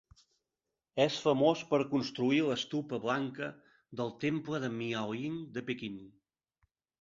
És famós per construir l'"estupa" blanca del temple de Miaoying de Pequín.